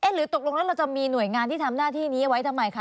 หรือตกลงแล้วเราจะมีหน่วยงานที่ทำหน้าที่นี้ไว้ทำไมคะ